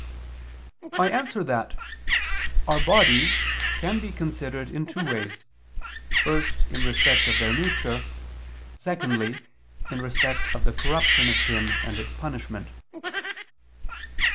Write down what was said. I answer that, Our bodies can be considered in two ways: first, in respect of their nature, secondly, in respect of the corruption of sin and its punishment.